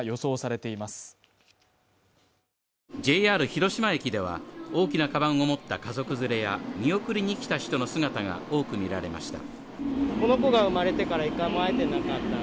ＪＲ広島駅では、大きなかばんを持った家族連れや見送りに来た人の姿が多く見られました。